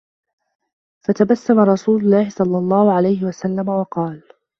فَتَبَسَّمَ رَسُولُ اللَّهِ صَلَّى اللَّهُ عَلَيْهِ وَسَلَّمَ وَقَالَ